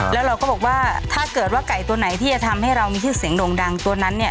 แล้วเราก็บอกว่าถ้าเกิดว่าไก่ตัวไหนที่จะทำให้เรามีชื่อเสียงโด่งดังตัวนั้นเนี่ย